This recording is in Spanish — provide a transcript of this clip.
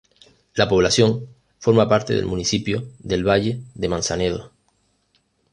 La población forma parte del municipio del Valle de Manzanedo.